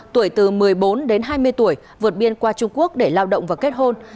tuổi từ một mươi bốn đến hai mươi tuổi vượt biên qua trung quốc để lao động và kết hôn